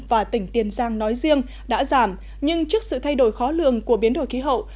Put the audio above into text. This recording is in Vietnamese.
và tỉnh tiền giang nói riêng đã giảm nhưng trước sự thay đổi khó lường của biến đổi khí hậu